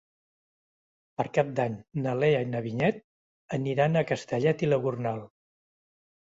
Per Cap d'Any na Lea i na Vinyet aniran a Castellet i la Gornal.